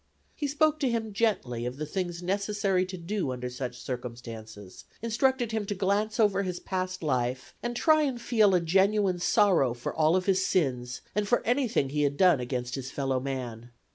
He spoke to him gently of the things necessary to do under such circumstances, instructed him to glance over his past life and try and feel a genuine sorrow for all of his sins and for anything he had done against his fellow man.